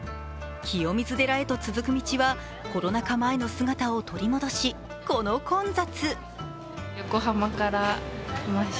清水寺へと続く道はコロナ禍前の姿を取り戻しこの混雑。